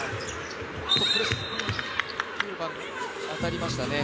当たりましたね。